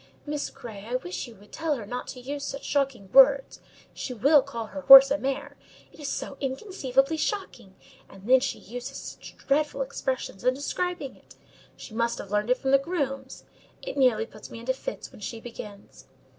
Miss Grey, I wish you would tell her not to use such shocking words; she will call her horse a mare: it is so inconceivably shocking! and then she uses such dreadful expressions in describing it: she must have learned it from the grooms. It nearly puts me into fits when she begins."